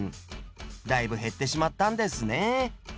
だいぶ減ってしまったんですね。